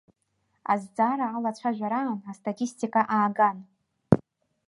Азҵаара алацәажәараан, астатистика ааган.